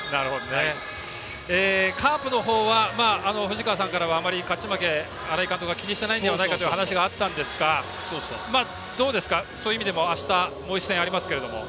カープの方は藤川さんからは、あまり勝ち負け新井監督は気にしていないのではないかというお話があったんですがそういう意味でもあした、もう一戦ありますけど。